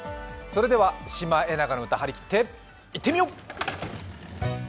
それでは「シマエナガの歌」、はりきっていってみよう！